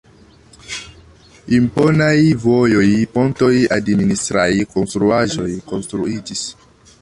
Imponaj vojoj, pontoj, administraj konstruaĵoj konstruiĝis.